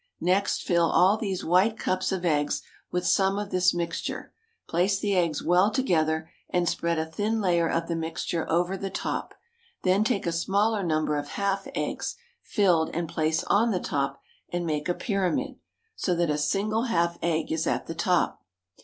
Next fill all these white cups of eggs with some of this mixture, place the eggs well together, and spread a thin layer of the mixture over the top; then take a smaller number of half eggs, filled, and place on the top and make a pyramid, so that a single half egg is at the top.